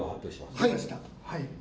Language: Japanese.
はい。